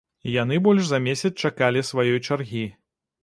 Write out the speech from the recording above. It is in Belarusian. Яны больш за месяц чакалі сваёй чаргі.